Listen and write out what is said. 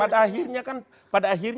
pada waktu presiden berpidato di